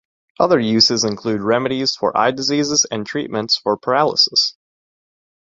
Other uses include remedies for eye diseases and treatments for paralysis.